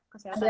ke siapa nih